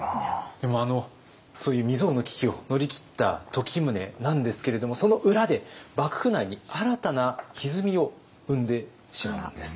でもそういう未曽有の危機を乗り切った時宗なんですけれどもその裏で幕府内に新たなひずみを生んでしまうんです。